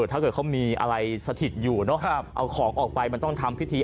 ถ้าเกิดเขามีอะไรสถิตอยู่เนอะเอาของออกไปมันต้องทำพิธี